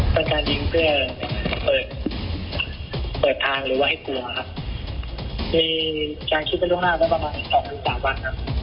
เป็นการยิงเพื่อเปิดทางหรือว่าให้กลัวครับมีการคิดถึงตรงหน้าได้ประมาณ๒๓วันครับ